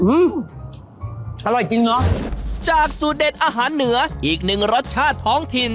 อืมอร่อยจริงเหรอจากสูตรเด็ดอาหารเหนืออีกหนึ่งรสชาติท้องถิ่น